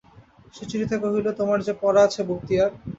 সুচরিতা কহিল, তোমার যে পড়া আছে বক্তিয়ার!